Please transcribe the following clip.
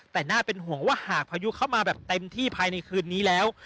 แต่น่าเป็นห่วงว่าหากพายุเข้ามาแบบเต็มที่ภายในคืนนี้แล้ว